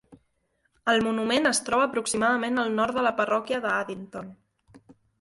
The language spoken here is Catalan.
El monument es troba aproximadament al nord de la parròquia de Addington.